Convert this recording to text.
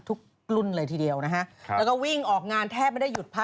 หูยเป็นอินเดียหนูต้องเต้นด้วยล่ะ